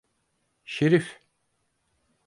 Şerif.